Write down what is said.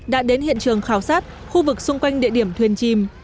đã đến hiện trường khảo sát khu vực xung quanh địa điểm thuyền chìm